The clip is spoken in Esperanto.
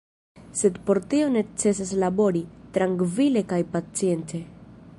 Sed por tio necesas labori, trankvile kaj pacience.